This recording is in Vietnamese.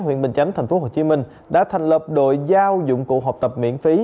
huyện bình chánh tp hcm đã thành lập đội giao dụng cụ học tập miễn phí